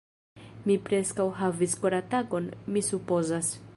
Mi preskaŭ havis koratakon, mi supozas.